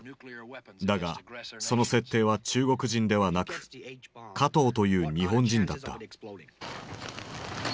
だがその設定は中国人ではなくカトーという日本人だった。